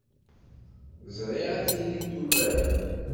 Ẓriɣ ad tilim tumarem.